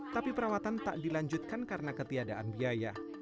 tapi perawatan tak dilanjutkan karena ketiadaan biaya